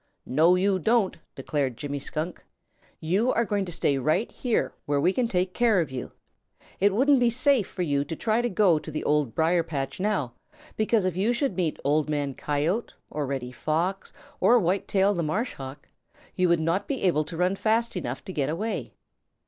"No, you don't!" declared Jimmy Skunk. "You are going to stay right here where we can take care of you. It wouldn't be safe for you to try to go to the Old Briar patch now, because if you should meet Old Man Coyote or Reddy Fox or Whitetail the Marshhawk, you would not be able to run fast enough to get away.